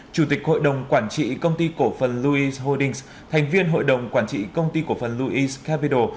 chủ tịch hội đồng quản trị công ty cổ phần louice holdings thành viên hội đồng quản trị công ty cổ phần louice capital